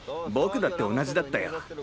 僕だって同じだったよ。